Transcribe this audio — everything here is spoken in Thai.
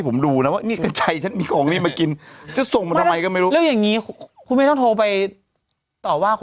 คุณไม่ต้องโทรไปต่อว่า